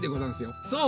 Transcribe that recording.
そう！